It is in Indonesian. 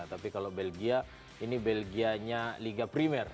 tapi kalau belgia ini belgianya liga primer